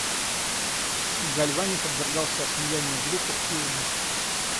Гальвани подвергался осмеянию глупых и умных.